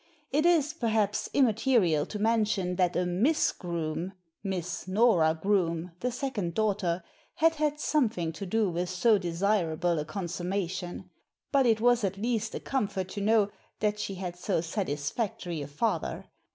It is, perhaps, immaterial to mention that a Miss Groome — Miss Nora Groome, the second daughter — had had some thing to do with so desirable a consummation. But it was at least a comfort to know that she had so satisfactory a father.